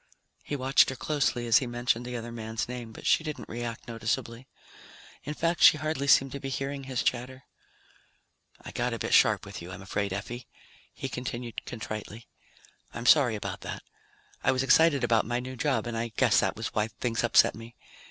He watched her closely as he mentioned the other man's name, but she didn't react noticeably. In fact, she hardly seemed to be hearing his chatter. "I got a bit sharp with you, I'm afraid, Effie," he continued contritely. "I'm sorry about that. I was excited about my new job and I guess that was why things upset me.